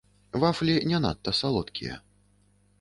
Вафлі не надта салодкія.